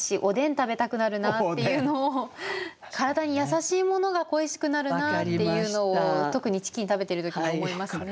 食べたくなるなっていうのを体に優しいものが恋しくなるなっていうのを特にチキンを食べてる時に思いますね。